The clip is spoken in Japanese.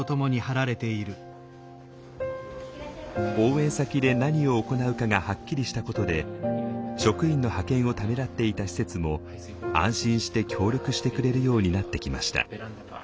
応援先で何を行うかがはっきりしたことで職員の派遣をためらっていた施設も安心して協力してくれるようになってきました。